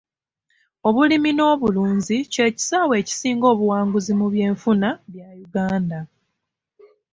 Obulimi n'obulunzi kye kisaawe ekisinga obuwanguzi mu byenfuna bya Uganda.